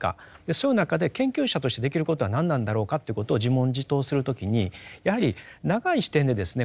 そういう中で研究者としてできることは何なんだろうかということを自問自答する時にやはり長い視点でですね